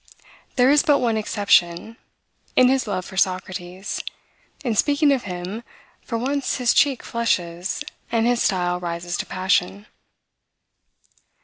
There is but one exception, in his love for Socrates. In speaking of him, for once his cheek flushes, and his style rises to passion.